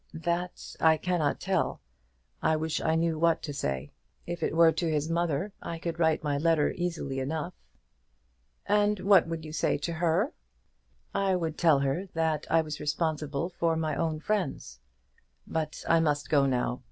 "That I cannot tell. I wish I knew what to say. If it were to his mother I could write my letter easily enough." "And what would you say to her?" "I would tell her that I was responsible for my own friends. But I must go now.